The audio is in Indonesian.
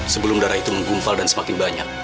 sebelum darah itu menggumpal dan semakin banyak